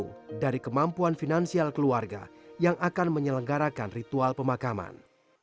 dan dari kemampuan finansial keluarga yang akan menyelenggarakan ritual pemakaman